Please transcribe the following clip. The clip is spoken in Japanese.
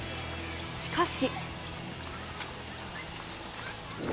しかし。